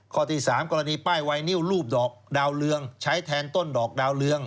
ข้อที่๓กรณีป้ายไวนิวรูปดอกดาวเรืองใช้แทนต้นดอกดาวเรือง